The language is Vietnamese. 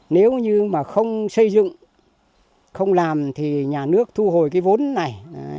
nếu như mà không xây dựng không làm thì nhà nước thu hồi cái vốn này